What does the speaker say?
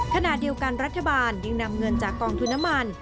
ขณะเดียวกันรัฐบาลยังนำเงินจากกองทุนน้ำมัน